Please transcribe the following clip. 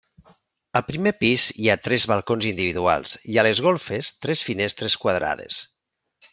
Al primer pis hi ha tres balcons individuals i a les golfes tres finestres quadrades.